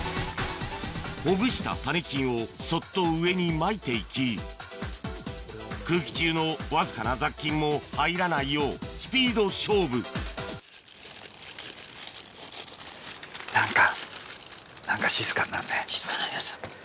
ほぐした種菌をそっと上にまいていき空気中のわずかな雑菌も入らないようスピード勝負何か。